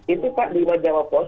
itu pak limat jawab pak